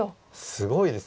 すごいです。